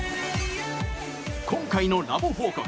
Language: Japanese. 今回のラボ報告。